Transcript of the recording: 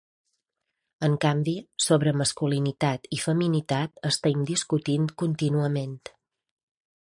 En canvi, sobre masculinitat i feminitat estem discutint contínuament.